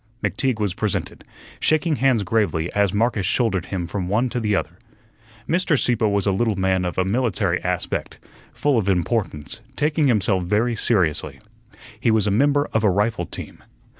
McTeague was presented, shaking hands gravely as Marcus shouldered him from one to the other. Mr. Sieppe was a little man of a military aspect, full of importance, taking himself very seriously. He was a member of a rifle team.